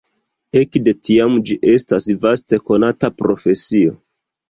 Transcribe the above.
Ekde tiam ĝi estas vaste konata profesio.